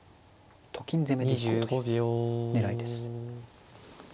と金攻めでいこうという狙いです。